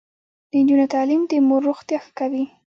د نجونو تعلیم د مور روغتیا ښه کوي.